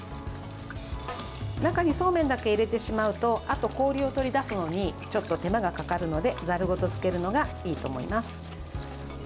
中にそうめんだけ入れてしまうとあと氷を取り出すのにちょっと手間がかかるのでざるごとつけるのがいいと思います。